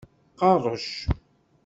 Qerrec.